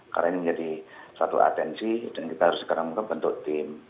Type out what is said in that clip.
karena ini menjadi satu atensi dan kita harus sekarang bentuk tim